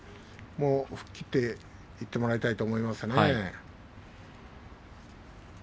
吹っ切っていってもらいたいと思います。